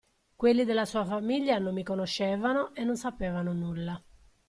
Quelli della sua famiglia non mi conoscevano e non sapevano nulla.